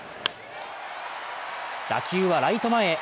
打球はライト前へ。